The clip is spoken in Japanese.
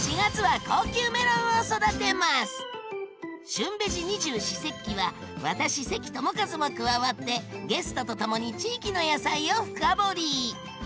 「旬ベジ二十四節気」は私関智一も加わってゲストとともに地域の野菜を深掘り！